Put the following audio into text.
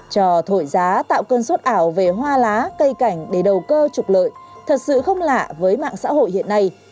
trò thổi giá tạo cơn sốt ảo về hoa lá cây cảnh để đầu cơ trục lợi thật sự không lạ với mạng xã hội hiện nay